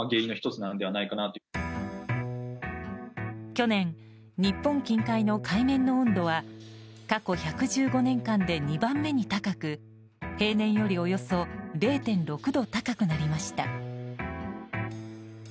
去年、日本近海の海面の温度は過去１１５年間で２番目に高く平年よりおよそ０．６度高くなりました。